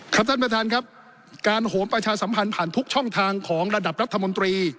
ท่านประธานครับการโหมประชาสัมพันธ์ผ่านทุกช่องทางของระดับรัฐมนตรี